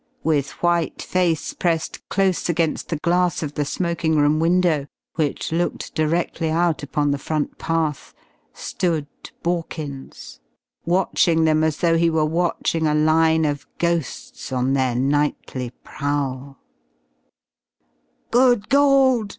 With white face pressed close against the glass of the smoking room window, which looked directly out upon the front path, stood Borkins, watching them as though he were watching a line of ghosts on their nightly prowl. "Good Gawd!"